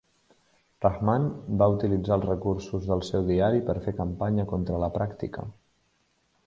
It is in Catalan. Rahman va utilitzar els recursos del seu diari per fer campanya contra la pràctica.